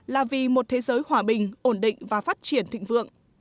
là vì một thế giới hòa bình ổn định và phát triển thịnh vượng